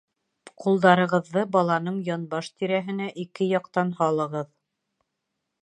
Ҡулдарығыҙҙы баланың янбаш тирәһенә ике яҡтан һалығыҙ.